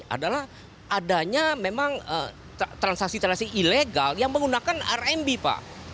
adalah adanya memang transaksi transaksi ilegal yang menggunakan rmb pak